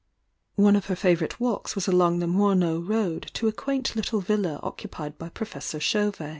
One of her favourite walks was along the Momex road to a quaint little villa occupied by Professor Chauvet.